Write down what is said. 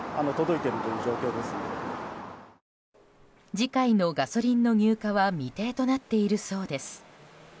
次回のガソリンの入荷は未定となっているそうです。